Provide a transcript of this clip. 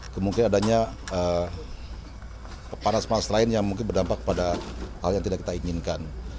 kemungkinan adanya panas panas lain yang mungkin berdampak pada hal yang tidak kita inginkan